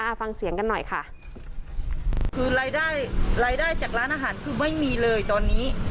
ฟังเสียงกันหน่อยค่ะคือรายได้รายได้จากร้านอาหารคือไม่มีเลยตอนนี้